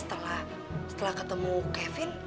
eh setelah ketemu kevin